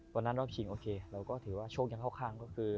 วันนั้นรอบชิงโอเคเราก็ถือว่าโชคยังเข้าข้างก็คือ